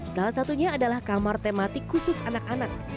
salah satunya adalah kamar tematik khusus anak anak